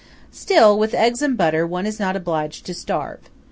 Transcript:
Still, with eggs and butter one is not obliged to starve.